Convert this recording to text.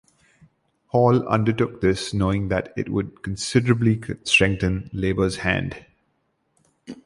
Hall undertook this knowing that it would considerably strengthen Labor's hand.